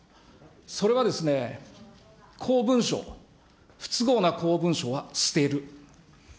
それは公文書、不都合な公文書は捨てる。